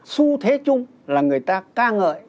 xu thế chung là người ta ca ngợi